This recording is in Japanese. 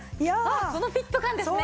このフィット感ですね。